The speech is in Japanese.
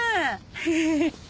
フフフ。